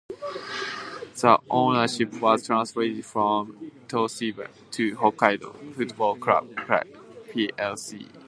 The ownership was transferred from Toshiba to Hokkaido Football Club plc.